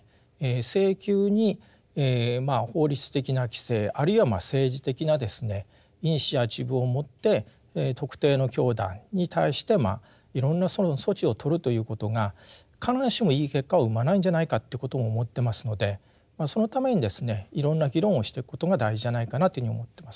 性急に法律的な規制あるいは政治的なイニシアチブをもって特定の教団に対していろんな措置を取るということが必ずしもいい結果を生まないんじゃないかということも思ってますのでそのためにですねいろんな議論をしてくことが大事じゃないかなというふうに思ってます。